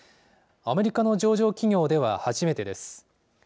アメリカの上場企業では初めてです。